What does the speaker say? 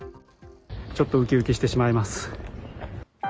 ちょっとウキウキしてしまいます。